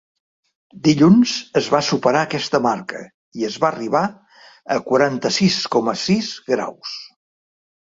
Dilluns es va superar aquesta marca i es va arribar a quaranta-sis coma sis graus.